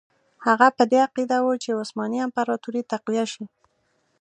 هغه په دې عقیده وو چې عثماني امپراطوري تقویه شي.